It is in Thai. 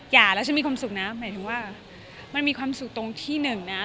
แล้วฉันมีความสุขนะหมายถึงว่ามันมีความสุขตรงที่หนึ่งนะ